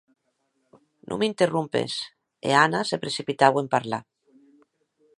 Non m'interrompes, e Anna se precipitaue en parlar.